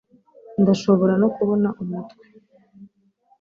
Ndashobora no kubona umutwe